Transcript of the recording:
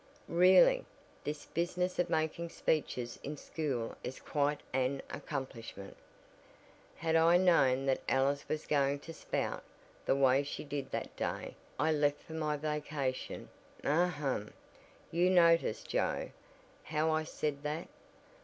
Really, this business of making speeches in school is quite an accomplishment. Had I known that Alice was going to 'spout' the way she did that day I left for my vacation ahem! you noticed Joe, how I said that?